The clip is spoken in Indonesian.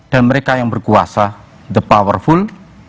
dan mereka yang berkuasa the powerful